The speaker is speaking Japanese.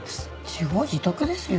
自業自得ですよ。